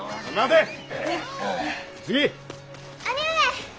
兄上！